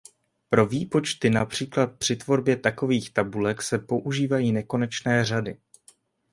Pro výpočty například při tvorbě takových tabulek se používají nekonečné řady.